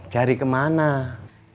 cari kemana cari kemana kepa